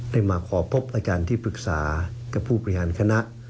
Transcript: ได้มาขอพบอาจารย์ที่ปรึกษากับผู้บริหารคณะ